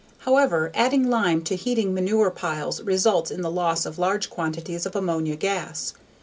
However, adding lime to heating manure piles results in the loss of large quantities of ammonia gas.